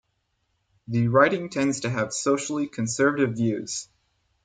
The riding tends to have socially conservative views.